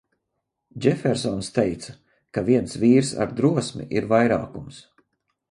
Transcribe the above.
Džefersons teica, ka viens vīrs ar drosmi ir vairākums.